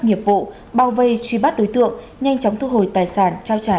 nghiệp vụ bao vây truy bắt đối tượng nhanh chóng thu hồi tài sản trao trả